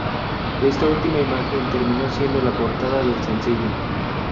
Esta última imagen, terminó siendo la portada del sencillo.